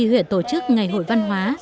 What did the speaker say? huyện tổ chức ngày hội văn hóa